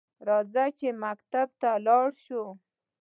راځه چې مکتب ته لاړشوو؟